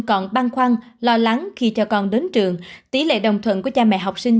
còn băn khoăn lo lắng khi cho con đến trường tỷ lệ đồng thuận của cha mẹ học sinh